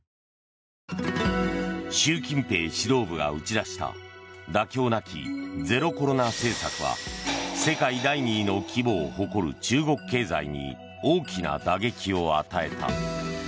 習近平指導部が打ち出した妥協なきゼロコロナ政策は世界第２位の規模を誇る中国経済に大きな打撃を与えた。